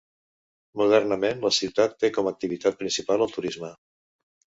Modernament la ciutat té com activitat principal el turisme.